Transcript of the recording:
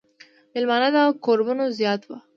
مېلمانۀ د کوربنو زيات وو ـ